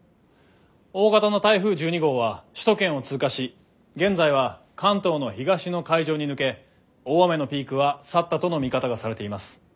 大型の台風１２号は首都圏を通過し現在は関東の東の海上に抜け大雨のピークは去ったとの見方がされています。